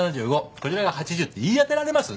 こちらが８０って言い当てられます？